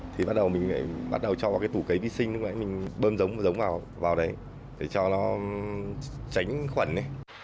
thì bắt đầu mình lại bắt đầu cho vào cái tủ cấy vi sinh bơm giống vào đấy để cho nó tránh khuẩn